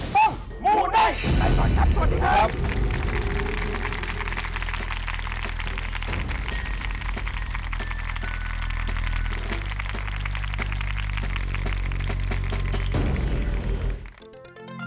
ปวงมูไน